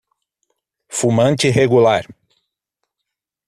Fumante regular